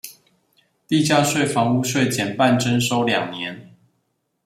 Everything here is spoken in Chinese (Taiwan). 地價稅、房屋稅減半徵收兩年